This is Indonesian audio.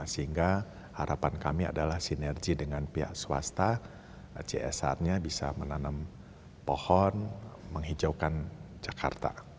sehingga harapan kami adalah sinergi dengan pihak swasta csr nya bisa menanam pohon menghijaukan jakarta